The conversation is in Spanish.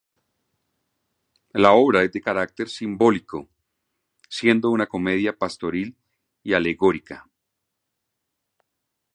La obra es de carácter simbólico, siendo una comedia pastoril y alegórica.